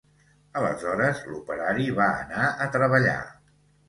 Aleshores, l'operari va anar a treballar.